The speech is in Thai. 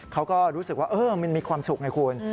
เขาก็รู้สึกว่ามันมีความสุขไงคุณ